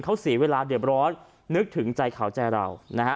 เขาเสียเวลาเด็บร้อนนึกถึงใจเขาใจเรานะฮะ